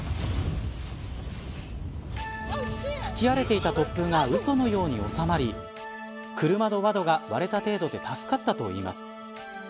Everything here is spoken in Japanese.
吹き荒れていた突風がうそのように収まり車の窓が割れた程度で助かったといいます。